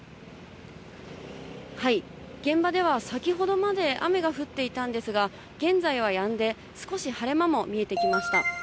現場では先ほどまで雨が降っていたんですが、現在はやんで、少し晴れ間も見えてきました。